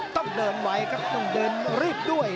ต้องเดินไว้ครับต้องเดินรีบด้วย